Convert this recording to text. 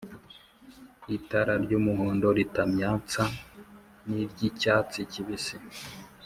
itara ry'umuhondo ritamyatsa n’iry'icyatsi kibisi